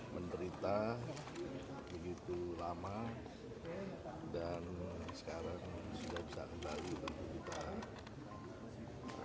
menderita begitu lama dan sekarang sudah bisa kembali bagi kita